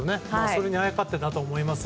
それにあやかってるんだと思います。